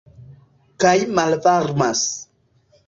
Kaj malvarmas.